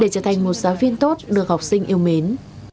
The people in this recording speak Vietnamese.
để trở thành một giáo viên tốt được học sinh yêu mến